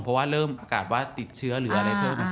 เพราะว่าเริ่มกาดว่าติดเชื้อหรืออะไรเพิ่ม